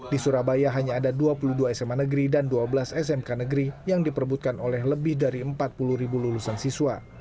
di surabaya hanya ada dua puluh dua sma negeri dan dua belas smk negeri yang diperbutkan oleh lebih dari empat puluh ribu lulusan siswa